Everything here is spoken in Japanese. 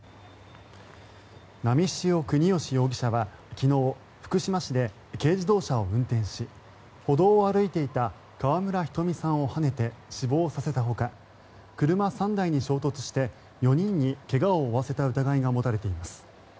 波汐國芳容疑者は昨日、福島市で軽自動車を運転し歩道を歩いていた川村ひとみさんをはねて死亡させたほか車３台に衝突して４人に怪我を負わせた疑いが持たれています。